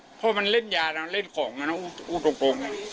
รักเพราะมันเล่นยาเล่นของตรง